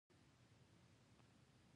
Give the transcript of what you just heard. مالیکولونه خپله انرژي له لاسه ورکوي.